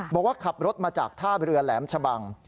บอกว่าขับรถมาจากท่าเรือแหลมชะบัง